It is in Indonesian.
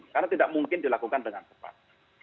karena tidak mungkin dilakukan dengan cepat